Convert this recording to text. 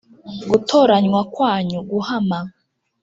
Gutoranywa kwanyu guhama